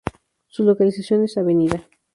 Su localización es Av.